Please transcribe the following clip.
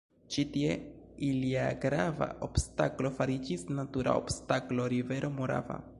Ĉi tie ilia grava obstaklo fariĝis natura obstaklo rivero Morava.